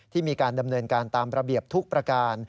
ที่มีการดำเนินการตามระเบียบทุกประการ